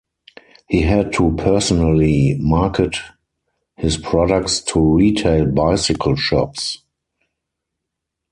He had to personally market his products to retail bicycle shops.